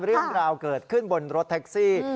เรื่องราวเกิดขึ้นบนรถแท็กซี่